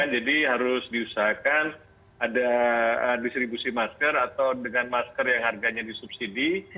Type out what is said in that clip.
jadi harus diusahakan ada distribusi masker atau dengan masker yang harganya disubsidi